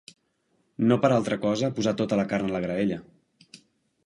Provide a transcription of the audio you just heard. No per altra cosa ha posat tota la carn en la graella.